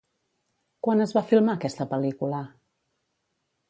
Quan es va filmar aquesta pel·lícula?